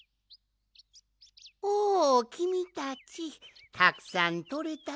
おおきみたちたくさんとれたかね？